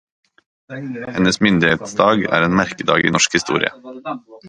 Hennes myndighetsdag er en merkedag i norsk historie.